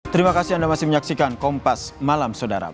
terima kasih anda masih menyaksikan kompas malam saudara